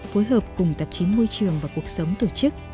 phối hợp cùng tạp chí môi trường và cuộc sống tổ chức